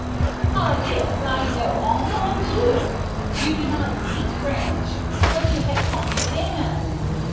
"Ah, yess, I know, ah! mon Dieu! you do not spik Frainch but you have come to lairne!